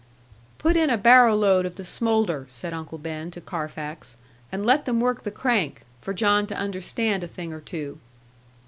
'Put in a barrow load of the smoulder,' said Uncle Ben to Carfax, 'and let them work the crank, for John to understand a thing or two.'